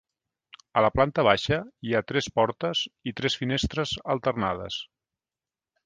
A la planta baixa hi ha tres portes i tres finestres alternades.